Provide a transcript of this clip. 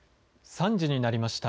３時になりました。